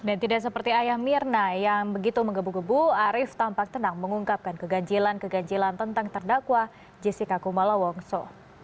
dan tidak seperti ayah mirna yang begitu menggebu gebu arief tampak tenang mengungkapkan keganjilan keganjilan tentang terdakwa jessica kumala wongso